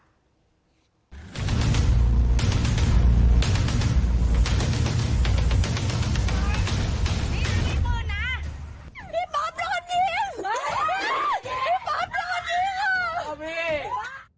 พี่ป๊อบรอด่องิง